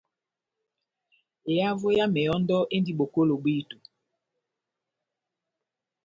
Ehavo ya mehɔ́ndɔ endi bokolo bwíto.